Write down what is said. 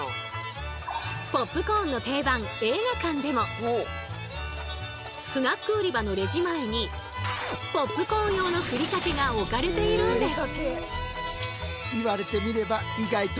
ポップコーンの定番映画館でもスナック売り場のレジ前にポップコーン用のふりかけが置かれているんです。